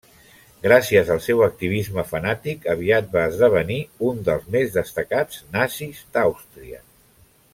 Gràcies al seu activisme fanàtic, aviat va esdevenir un dels més destacats nazis d'Àustria.